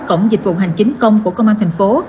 cổng dịch vụ hành chính công của công an thành phố